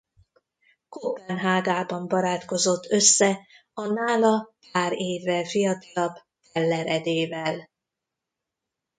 Koppenhágában barátkozott össze a nála pár évvel fiatalabb Teller Edével.